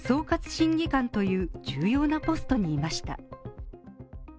審議官という重要なポストにいました。